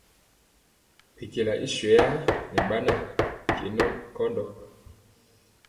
Mpekyela i swɛyaa nɛ baŋa nkye nɔ nkɔndɔ.